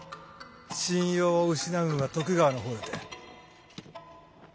信用を失うんは徳川の方だて。